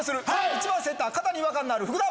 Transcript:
１番センター肩に違和感のある福田！